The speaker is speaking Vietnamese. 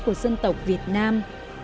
của dân tộc việt nam